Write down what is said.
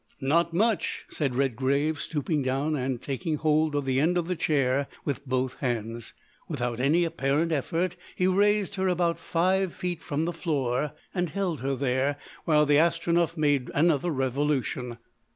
"Not much," said Redgrave, stooping down and taking hold of the end of the chair with both hands. Without any apparent effort he raised her about five feet from the floor, and held her there while the Astronef made another revolution.